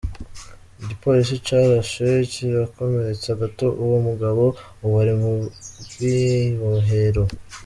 Igipolisi carashe kirakomeretsa gato uwo mugabo, ubu ari mw'ibohero.